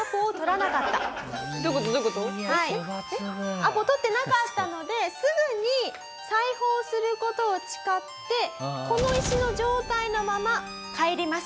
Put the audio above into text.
アポ取ってなかったのですぐに再訪する事を誓ってこの石の状態のまま帰ります。